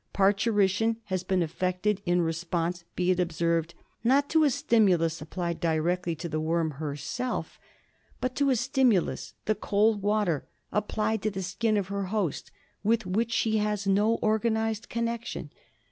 Parturition has been effected in response, be it observed, not to a stimulus applied directly to the worm herself, but to a stimulus — the cold water — applied to the skin of her host with whom she has no organised connection.